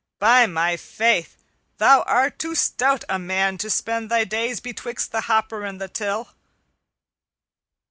By my faith, thou art too stout a man to spend thy days betwixt the hopper and the till."